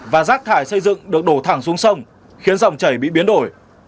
và rác thải xây dựng được đổ thẳng xuống sông khiến dòng chảy bị biến đổi